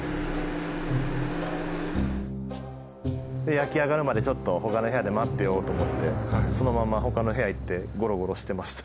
焼き上がるまでちょっとほかの部屋で待ってようと思ってそのまんまほかの部屋へ行ってごろごろしてました。